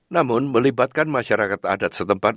namun melibatkan masyarakat adat setempat